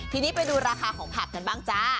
ทีนี้ไปดูราคาของผักกันบ้างจ้า